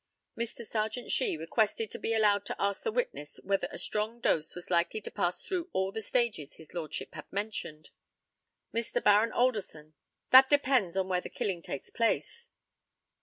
Mr. Serjeant SHEE requested to be allowed to ask the witness whether a strong dose was likely to pass through all the stages his lordship had mentioned. Mr. Baron ALDERSON: That depends on where the killing takes place.